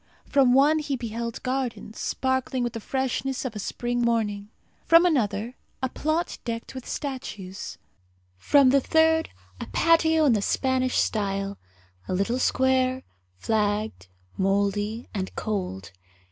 From one he beheld gardens, sparkling with the freshness of a spring morning; from another a plot decked with statues; from a third, a patio in the Spanish style, a little square, flagged, mouldy, and cold.